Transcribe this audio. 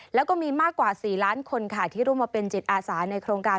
แล้วก็มีมากกว่า๔ล้านคนค่ะที่ร่วมมาเป็นจิตอาสาในโครงการ